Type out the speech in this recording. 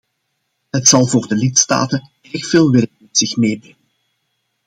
Het zal voor de lidstaten erg veel werk met zich meebrengen.